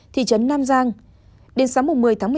thị trấn nam giang đến sáng một mươi tháng một mươi một